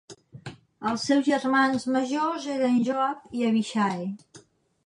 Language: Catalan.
Els seus germans majors eren Joab i Abishai.